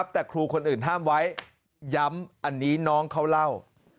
แต่ครูคนอื่นห้ามไว้ย้ำอันนี้น้องเขาเล่า